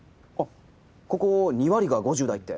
ここ２割が５０代って。